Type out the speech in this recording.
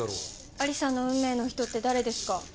亜里沙の運命の人って誰ですか？